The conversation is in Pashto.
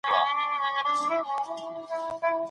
د لفظ له اړخه د حنفي فقهاوو نظر جلا دی.